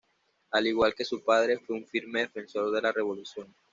Al igual que su padre, fue un firme defensor de la Revolución.